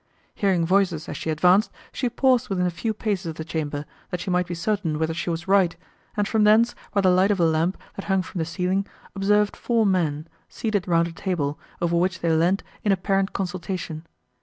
Hearing voices as she advanced, she paused within a few paces of the chamber, that she might be certain whether she was right, and from thence, by the light of a lamp, that hung from the ceiling, observed four men, seated round a table, over which they leaned in apparent consultation.